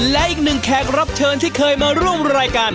และอีกหนึ่งแขกรับเชิญที่เคยมาร่วมรายการ